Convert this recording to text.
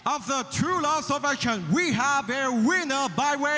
อัฟเตอร์๒รอสโฟร์แฟคชั่นเรามีคุณผู้ชอบของเรา